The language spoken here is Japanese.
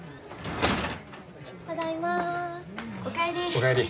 お帰り。